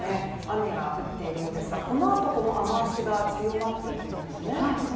雨が降っているようですがこのあと雨足が強まっていくんですね。